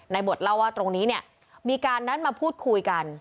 บทเล่าว่าตรงนี้เนี่ยมีการนัดมาพูดคุยกัน